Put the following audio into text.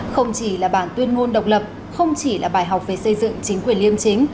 không chỉ là bản tuyên ngôn độc lập không chỉ là bài học về xây dựng chính quyền liêm chính